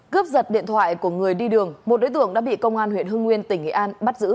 cướp giật điện thoại của người đi đường một đối tượng đã bị công an huyện hưng nguyên tỉnh nghệ an bắt giữ